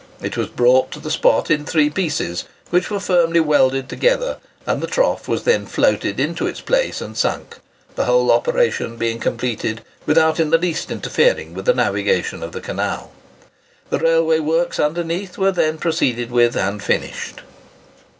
It was brought to the spot in three pieces, which were firmly welded together, and the trough was then floated into its place and sunk; the whole operation being completed without in the least interfering with the navigation of the canal. The railway works underneath were then proceeded with and finished.